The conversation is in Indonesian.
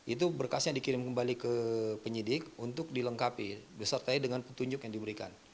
itu berkasnya dikirim kembali ke penyidik untuk dilengkapi besertai dengan petunjuk yang diberikan